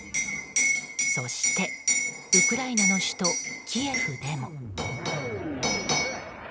そしてウクライナの首都キエフでも。